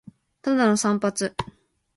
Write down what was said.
ただの散髪